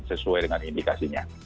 sesuai dengan indikasinya